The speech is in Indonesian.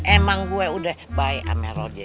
emang gue udah baik sama rodie